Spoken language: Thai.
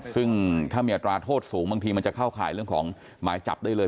ซึ่งถ้ามีอัตราโทษสูงบางทีมันจะเข้าข่ายเรื่องของหมายจับได้เลย